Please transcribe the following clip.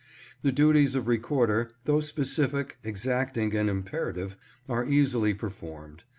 The duties of Recorder, though specific, exacting, and imperative, are easily performed.